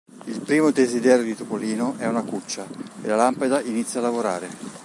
Il primo desiderio di Topolino è una cuccia, e la lampada inizia a lavorare.